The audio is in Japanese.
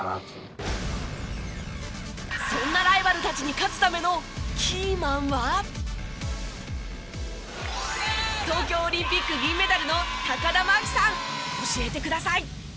そんなライバルたちに勝つための東京オリンピック銀メダルの田真希さん教えてください。